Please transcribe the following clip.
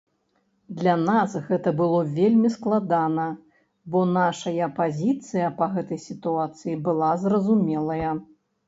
Для нас гэта было вельмі складана, бо нашая пазіцыя па гэтай сітуацыі была зразумелая.